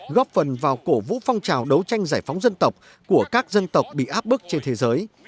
góp phần vào cổ vũ phong trào đấu tranh giải phóng dân tộc của các dân tộc bị áp bức trên thế giới